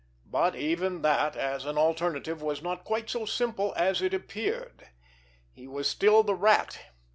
But, even that, as an alternative, was not quite so simple as it appeared. He was still the Rat.